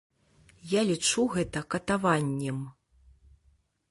Я лічу гэта катаваннем.